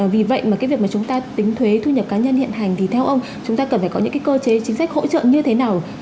vì vậy mà cái việc mà chúng ta tính thuế thu nhập cá nhân hiện hành thì theo ông chúng ta cần phải có những cái cơ chế chính sách hỗ trợ như thế nào